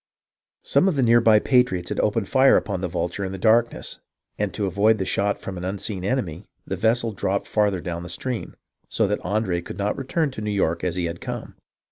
Some of the near by patriots had opened fire upon the Vulture in the darkness, and to avoid the shot from an unseen enemy, the vessel dropped farther down the stream, so that Andre could not return to New York as he had come.